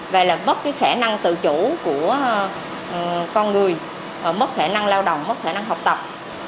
và là bất khả năng tự chủ của con người mất khả năng lao động mất khả năng học tập